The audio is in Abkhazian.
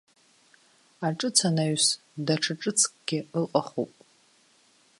Аҿыц анаҩс даҽа ҿыцкгьы ыҟахуп.